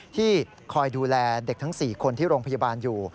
ที่คอยดูแลเด็กทั้ง๔คนที่โรงพยาบาลอยู่